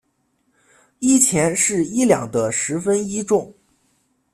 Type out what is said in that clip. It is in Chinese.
一钱是一两的十分一重。